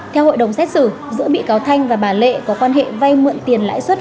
theo hội đồng xét xử giữa bị cáo thanh và bà lệ có quan hệ vay mượn tiền lãi suất